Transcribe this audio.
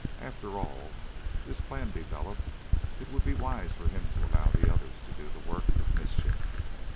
After all, if his plan developed, it would be wise for him to allow the others to do the work of mischief.